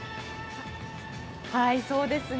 はい、そうですね。